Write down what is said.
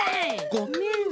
ごめん。